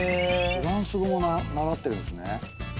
フランス語も習ってるんですね。